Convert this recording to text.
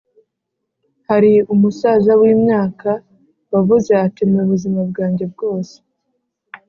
Hari umusaza w imyaka wavuze ati mu buzima bwanjye bwose